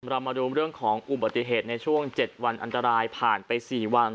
เรามาดูเรื่องของอุบัติเหตุในช่วง๗วันอันตรายผ่านไป๔วัน